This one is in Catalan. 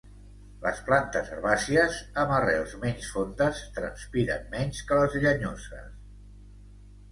Les plantes herbàcies, amb arrels menys fondes, transpiren menys que les llenyoses.